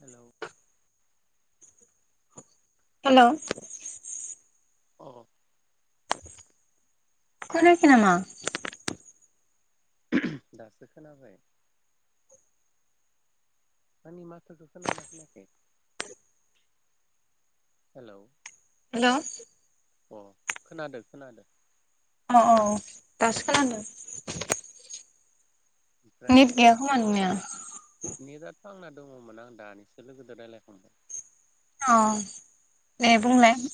Hello. Hello. औ। खनाखै नामा। [unintelligible] आंनि माथोखौ खोनादों ना खोनायाखै हेलौ। हेलौ। अ खोनादो खोनादों। अ औ दासो खालामदों। नेत गैया खोमा नोंनिया। [inaudible] नेदा आंना दङ'मोन आं दानिसो लोगोजों रायलायखांबाय। अ। दे बुंलाय। [inaudible]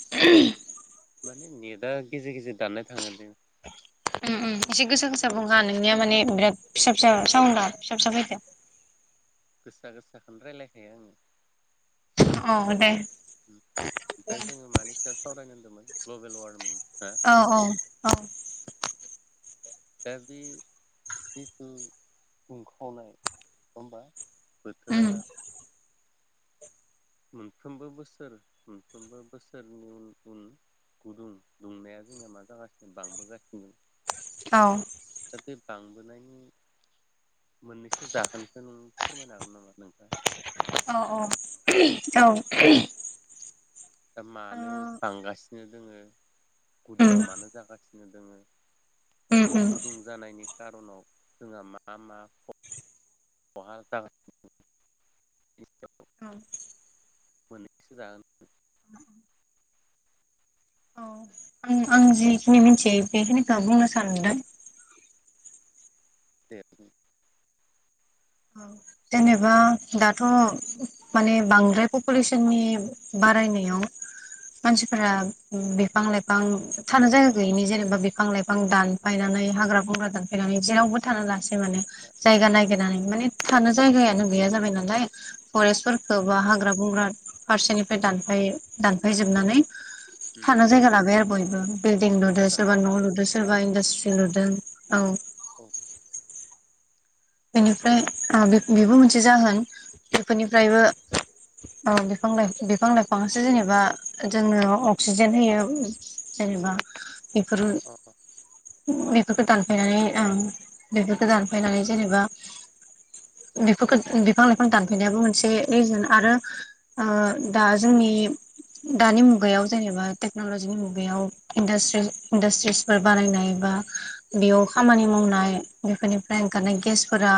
माने नेटा गेजेर गेजेर दाननाय थाङो दे। उम उम एसे गोसा गोसा बुंहा नोंनिया माने बिराद फिसा फिसा साउन्दा फिसा फिसा फैदो। गोसा गोसाखौनो रायलायखायो आङो। औ दे ओमफ्राय जोङो मानि सायाव सावरायनो होनदोंमोन। Global warming. औ औ औ। दा बे जिथु दुंखावनाय नङा होमबा। बोथोरा उम मोनफ्रोमबो बोसोर मोनफ्रोमबो बोसोरनि उन उन गुदुं दुंनाया जोंना मा जागासिनो बांबोगासिनो। औ। दा बे बांबोनायनि मोननैसो जाहोनखो नों फोरमायनो हागोन नामा नोंथां। औ औ औ। दा मानो बांगासिनो दोङो उम गुदुङा मानो जागासिनो दोङो दा उम बे उम गुदुं जानायनि खारनाव जोंहा मा मा खहा जागासिनो दं। मोननैसो जाहोन औ आं आं जिखिनि मिथियो बेखिनिखौ बुंनो सानदों। दे बुं। जेनेबा दाथ' माने बांद्राय पपुलेसननि बारायनायाव मानसिफोरा बिफां लाइफां थानो जायगा गैयिनि जेनेबा बिफां लाइफां दानफायनानै हाग्रा बंग्रा दानफायनानै जेरावबो थानो ला सै माने आदसा जायगा नायगिरनानै। माने थानो जायगायानो गैया जाबाय नालाय फरेस्टफोरफोरखौ बा हाग्रा बंग्रा फारसेनिफ्राय दानफाय दानफायजोबनानै उम थानो जायगा लाबाय आरो बय ओं। बिलदिं लुदो सोरबा न' लुदो। सोरबा इन्डासट्रि लुदों औ। औ। बेनिफ्राय ओ बे-बेबो मोनसे जाहोन बेफोरनिफ्रायबो ओ बिफां लाइ बिफां लाइफाङासो जेनेबा जोंनो अक्सिजेन होयो जेनेबा एफोरो अ बेफोरखौ दानफायनानै ओं बेफोरखो दानफायनानै जेनेबा बेफोरखो बिफां लाइफां दानफायनायाबो मोनसे रिजोन आरो ओ दा जोंनि दानि मुगायाव जेनेबा टेक्नलजिनि मुगायाव इन्डासट्रि इन्डासट्रिसफोर बानायनाय बा बेयाव खामानि मावनाय बेफोरनिफ्राय ओंखारनाय गेसफोरा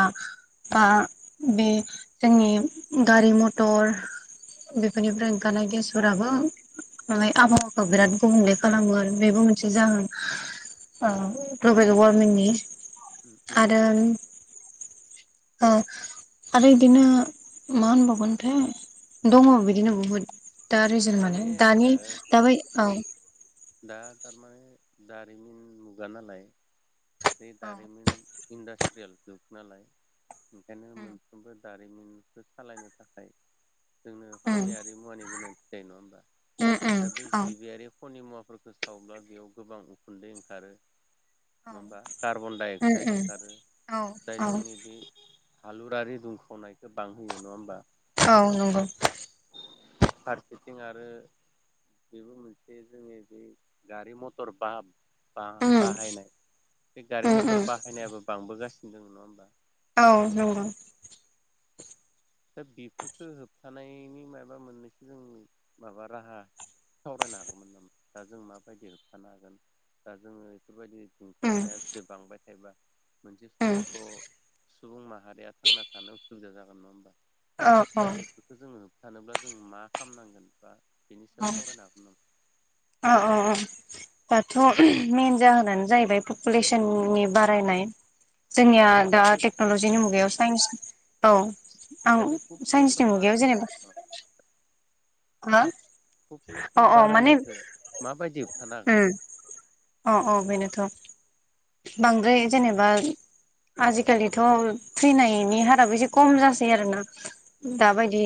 बा बे जोंनि गारि मथर बेफोरनिफ्राय ओंखारनाय गेसफोराबो माय आबहावाखौ बिराद गुबुंले खालामो आरो बेबो मोनसे जाहोन ओ ग्लबेल वारमिंनि। उम उम [inaudible] ओ आरो इदिनो मा होनबावगोनथाय दङ' बिदिनो बुहुद अ दा रिजोनट माने दानि ओ दाबै औ। दा थारमाने दारिमिन मुगा नालाय बे औ दारिमिन इन्डासट्रियेल जुग नालाय ओंखायनो मोनफ्रोमबो दारिमिनखौ सालायनो थाखाय जोंनो उम खनियारि मुवानि गोनांथि जायो नङा होमबा? उम दा बे उम औ जिबियारि खनि मुवाखौ फोरखौ सावब्ला बेयाव गोबां उखुन्दै ओंखारो। नङा होमबा? कार्बन डाइ उम अक्साइद उम ओंखारो। औ जाय औ जोंनि बे हालुरारि दुंखावनायखौ बांहोयो नङा होमबा? औ नंगौ फारसेथिं आरो बेबो मोनसे जोंनि बे गारि मटर बा बा उम बाहायनाय बे गारि उम मथर उम बाहायनायाबो बांबोगासि दङ नङा होनोमबा? औ नंगौ। दा बेफोरफोरखो होबथानायनि मायबा मोननैसो जों माबा राहा सावरायनो हागौमोन नामा? दा जों माबायदि होबथानो हागोन दा जोङो बेफोरबायदि उम दुंखावनाया जे बांबाय एबा मोनसे उम समावथ' सुबुं माहारिया थांना थानो उसुबिदा जागोन नङा होमबा? औ दा बेफोरखो जोङो थानोब्ला जों मा खालामनांगोन बा बिनि सायाव सावरायनो हागोन नामा? औ औ औ दाथ' [unintelligible] मेन जाहोनानो जाहैबाय पपुलेसननि बारायनाय जोंनिया दा टेक्न'लजिनि मुगायाव [unintelligible] औ। दा आं बे पपुलेसन साइन्सनि मुगायाव जेनेबा बारायनाय मा? पपुलेसन बारायनायखो माबायदि होबथानो उम अ अ बेनोथ'। बांद्राय जेनेबा आजिखालिथ' थैनायनि हाराबो एसे खम जासै आरोना। हागोन दाबायदि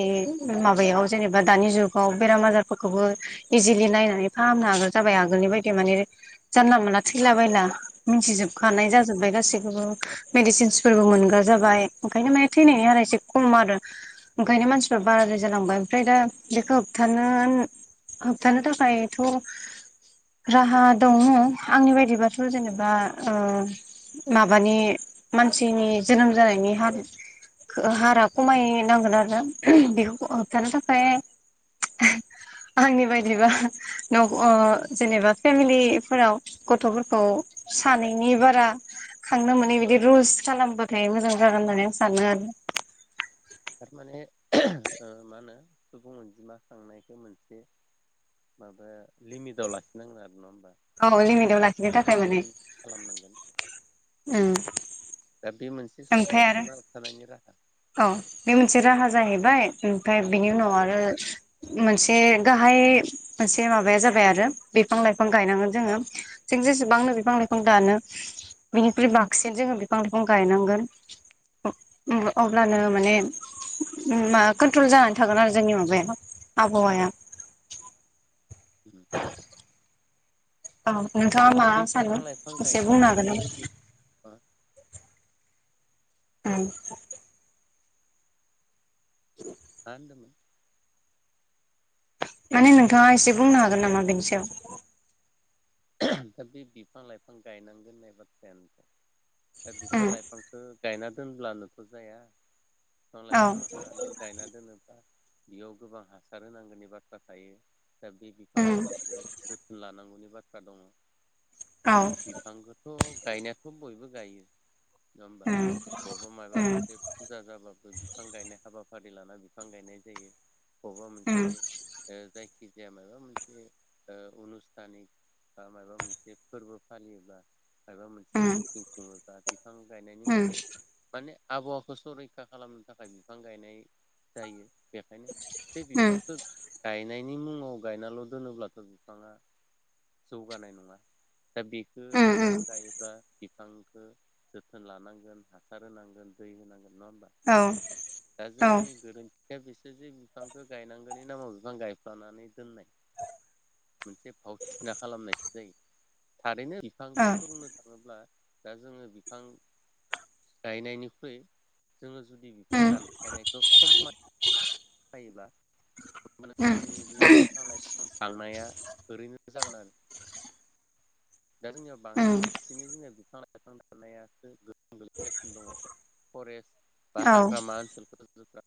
माबायाव जेनेबा दानि जुगाव बेराम आजारफोरखौबो इजिलि नायनानै फाहामनो हागोन जाबाय आगोलनि बायदि माने जानला मोनला थैलाबायला। मिथिजोबखानाय जा जोबबाय गासैबो मेदिसिनसफोरबो मोनग्रा जाबाय ओंखायनो माने थैनायनि हारा एसे खम आरो ओंखायनो मानसिफ्रा बाराद्राय जालांबाय ओमफ्राय दा बेखौ होबथानो होन होबथानो थाखायथ' राहा दङ आंनि बायदिबाथ' जेनेबा ओ माबानि मानसिनि जोनोम जानायनि हार हारा खमायनांगोन आरो ना [unintelligible] बेखौ होबथानो थाखाय [unintelligible] आंनि बायदिबा जेनेबा फेमिलिफोराव गथ'फोरखौ सानैनि बारा खांनो मोनै बिदि रुलस खालामबाथाय मोजां जागोन होननानै आं सानो आरो ना। थारमाने मा होनो सुबुं अनजिमा खांनायखौ मोनसे माबा लिमिटाव लाखिनांगोन आरो न औ लमिदयाव लाखिनो थाखाय माने खालामनांगोन ओम दा बे मोनसे सुबुंखौ नाव थानायानायनि राहा औ बे मोनसे राहा जाय हैबाय ओमफ्राय बिनि उनाव आदसा आरो मोनसे गाहाय मोनसे माबाया जाबाय आरो बिफां लाइफां गायनांगोन जोङो जों जेसेबांनो बिफां लाइफां दानो बिनिख्रुइ बांसिन जोङो बिफां लाइफां गायनांगोन अब्लानो आदसा माने मा कन्ट्रल जानानै थागोन आरो जोंनि माबाया आबहावाया [inaudible] औं नोंथाङा मा दा बे बिफां सानो लाइफां एसे गायनाय बुंनो हागोन बे बिफां मा ओम [inaudible] मा होनदोंमोन माने नोंथाङा एसे बुंनो हागोन नामा बेनि सायाव दा बे बिफां लाइफां गायनांगोन नाय बाथ्रायानोथ बिफां उम लाइफां गायना दोनब्लानोथ' जाया बिफां औ लाइफां फ्राथ गायना दोनो बेयाव गोबां हासार होनांगौनि बाथ्रा थायो दा बे बिफां उम लाइफांखौ जोथोन लानांगौनि बाथ थ्रा दङ औ बिफांखौथ' गायनायाथ' बयबो गायो नङा होमबा उम बहाबा माबा उम मोनसे फुजा जाबाबो बिफां गायनाय हाबाफारि लाना बिफां गायनाय जायो बबेबा उम मोनसे जायखिजाया माबा मोनसे अनुस्थानिक बा माबा मोनसे फोरबो फालियोबा माबा मोनसे उम मिथिं खुङोबा बिफां गायनायनि उम मोनसे माने आबहावाखौ सरैखा खालामनो थाखाय बिफां गायनाय जायो बेखायनो बे उम बिफांखौ गायनायनि मुङाव गायनाल' दोनोब्लाथ' बिफाङा जौगानाय नङा दा बेखौ उम बिफां उम गायोब्ला बिफांखौ जोथोन लानांगोन हासार होनांगोन दै होनांगोन नङा होमबा औ दा औ जोंनि गोरोन बिसोर जे बिफांखौ गायनांगोननि नामाव बिफां गायफ्लानानै दोननाय मोनसे फाव थिना खालामनायसो जायो थारैनो औ बिफांफोर द बुंनो थाङोब्ला दा जोङो बिफां गायनायनिख्रुइ जोङो जुदि बिफां उम दानफायनायखौ खम नाय्ला उम जोंनि बे बिफां लाइफां दाननाया ओरैनो जागोन आरो दा जोंनियाव उम बांसिनै जोंनिया बिफां लाइफां दाननायासो गोहोम गोग्लैगासिनो दङ फरेस्ट बा औ हाग्रामा ओनसोलफोर [unintelligible] नङा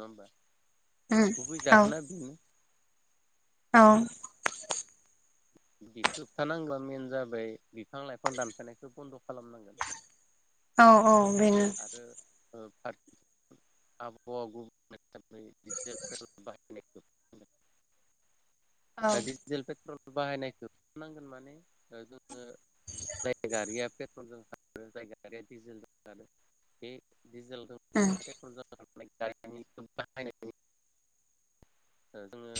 होमबा उम गुबै औ जाहोना बेनो औ [unintelligible] मेन जाबाय बिफां लाइफां दानफायनायखौ बन्द खालामनांगोन औ औ बेनो आरो [unintelligible] औ डिजेल पेट्रल बाहायनायखौ नांगोन माने जोङो जाय गारिया पेट्रलजों खारो जाय गारिया डिजेलजों खारो बे डिजेलजों खारनाय उम पेट्रलजों खारनाय गारिनि बाहाय जोङो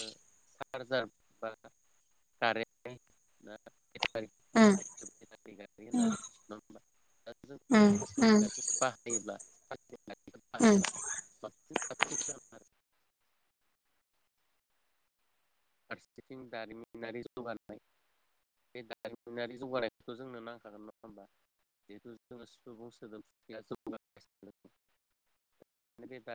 चार्जार बा कारेन गारि उम होनना जों [unintelligible] ओम गारिखौ बाहायोब्ला [unintelligible] उम फारसेथिं दारिमिनारि जौगानाय बे दारिमिनारि जौगानायखौथ जोंनो नांखागोन नङा होमबा जिहेथु जोङो सुबुं सोदोबया जौगा